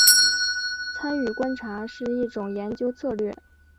参与观察是一种研究策略。